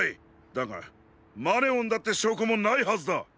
だがマネオンだってしょうこもないはずだ！